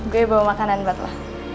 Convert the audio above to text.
gue bawa makanan buat mas